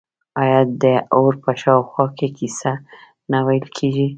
آیا د اور په شاوخوا کې کیسې نه ویل کیږي؟